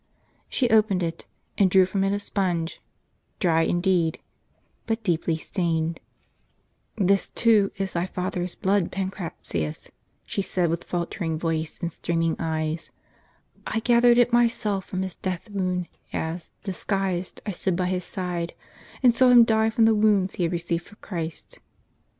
She opened it, and drew from it a sponge, dry indeed, but deeply stained. •^Arull trembling hands she drew from her neck the golden ehai: "This, too, is thy father's blood, Pancratius," she said, with faltering voice and streaming eyes. " I gathered it my self from his death wound, as, disguised, I stood by his side, and saw him die from the wounds he had received for Christ."